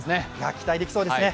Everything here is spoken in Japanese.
期待できそうですね。